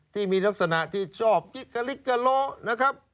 ที่มีลักษณะที่ชอบกิ๊กกะลิกกะโลนะครับ